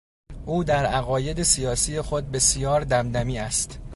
او در عقاید سیاسی خود بسیار دمدمی است.